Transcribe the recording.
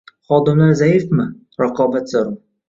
Xodimlar zaifmi? Raqobat zarur